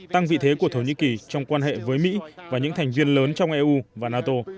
tăng vị thế của thổ nhĩ kỳ trong quan hệ với mỹ và những thành viên lớn trong eu và nato